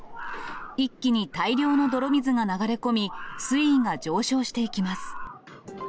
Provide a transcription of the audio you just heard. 一気に大量の泥水が流れ込み、水位が上昇していきます。